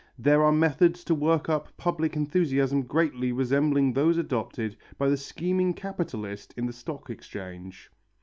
There are methods to work up public enthusiasm greatly resembling those adopted by the scheming capitalist in the Stock Exchange.